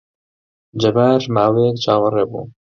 جەبار ماوەیەک چاوەڕێ بوو.